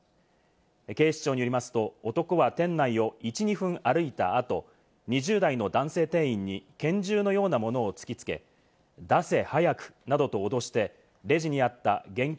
警視庁によりますと、男は店内を１、２分歩いた後、２０代の男性店員に拳銃のようなものを突きつけ、出せ早くなどと脅して、レジにあった現金